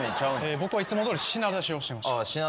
僕はいつもどおり品出しをしてました。